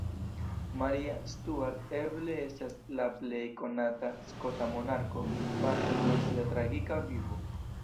Maria Stuart eble estas la plej konata skota monarko, parte pro sia tragika vivo.